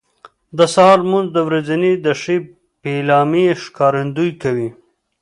د سهار لمونځ د ورځې د ښې پیلامې ښکارندویي کوي.